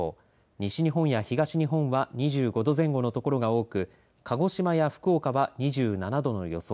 西日本や東日本は２５度前後の所が多く鹿児島や福岡は２７度の予想。